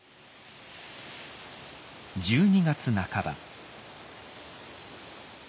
１２月半ば。